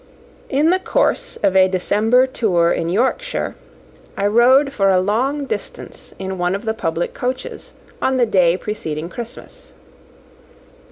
In the course of a December tour in Yorkshire, I rode for a long distance in one of the public coaches, on the day preceding Christmas.